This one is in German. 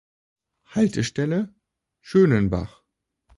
Haltestelle: "Schönenbach"